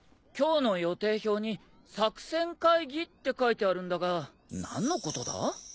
今日の予定表に「作戦会議」って書いてあるんだが何のことだ？